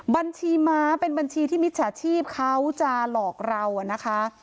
บัญชีม้าเป็นบัญชีที่มิจฉาชีพเขาจะหลอกเรานะคะ